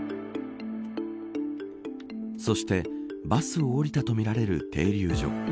そしてバスを降りたとみられる停留所。